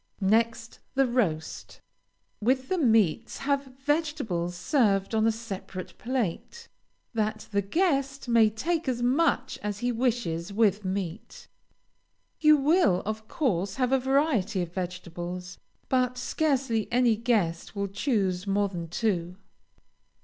Next the roast. With the meats have vegetables served on a separate plate, that the guest may take as much as he wishes with meat. You will, of course, have a variety of vegetables, but scarcely any guest will choose more than two.